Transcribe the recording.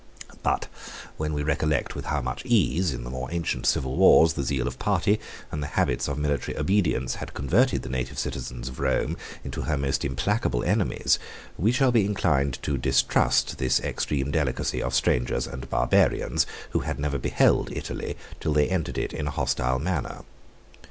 26 But when we recollect with how much ease, in the more ancient civil wars, the zeal of party and the habits of military obedience had converted the native citizens of Rome into her most implacable enemies, we shall be inclined to distrust this extreme delicacy of strangers and barbarians, who had never beheld Italy till they entered it in a hostile manner.